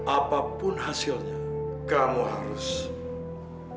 apapun hasilnya kamu harus belajar pasal